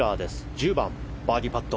１０番、バーディーパット。